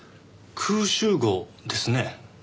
空集合ですね。